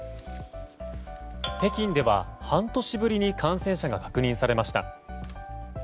北京では半年ぶりに感染者が確認されました。